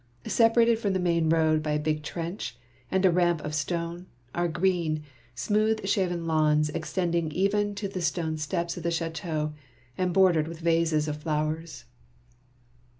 Separated from the main road by a big trench and a ramp of stone, are green, smooth shaven lawns extending even to the stone steps of the chateau, and bor dered with vases of flowers.